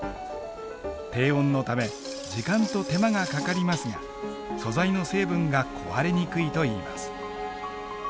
低温のため時間と手間がかかりますが素材の成分が壊れにくいといいます。